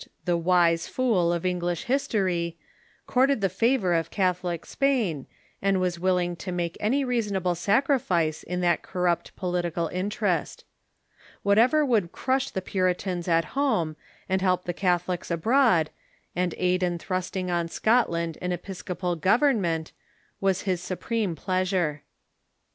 the "wise fool" of Englisli history, courted the favor of Catholic Spain, and was Avilling to make any reasonable sacri fice in that corrupt political interest. Whatever would crush the Puritans at home, and help the Catholics abroad, and aid in thrusting on Scotland an episcopal government, was his supreme pleasure.